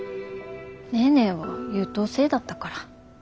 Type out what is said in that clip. ネーネーは優等生だったから。